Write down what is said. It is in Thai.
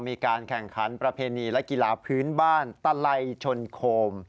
มีการแข่งขันประเพณีและกีฬาพื้นบ้านตะไลชนโคม